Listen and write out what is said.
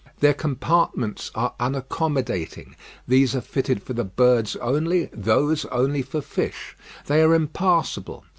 Their compartments are unaccommodating; these are fitted for the birds only, those only for fish. They are impassable.